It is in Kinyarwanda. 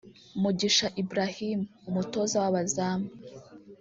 Mugisha Ibrahim (Umutoza w’abazamu)